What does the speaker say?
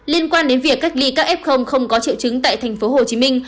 liên quan đến việc cách ly các f không có triệu chứng tại tp hcm